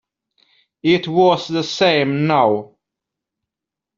It was the same now.